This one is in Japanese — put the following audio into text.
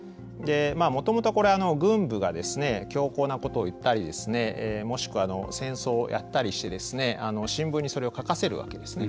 もともとこれ軍部が強硬なことを言ったりですねもしくは戦争をやったりして新聞にそれを書かせるわけですね。